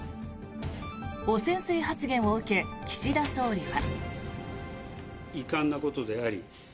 汚染水発言を受け岸田総理は。